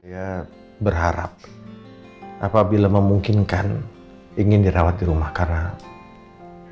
saya berharap apabila memungkinkan ingin dirawat di rumah karena